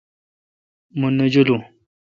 مہ نہ جولوں